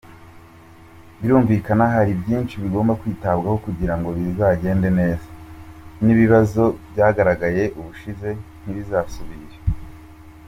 Birumvikana hari byinshi bigomba kwitabwaho kugira ngo rizagende neza, n’ibibazo byagaragaye ubushize ntibizasubire.